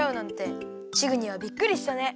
チグにはびっくりしたね。